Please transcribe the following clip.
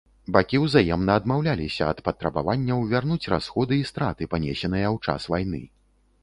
Бакі ўзаемна адмаўляліся ад патрабаванняў вярнуць расходы і страты, панесеныя ў час вайны.